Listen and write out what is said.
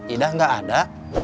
idah gak ada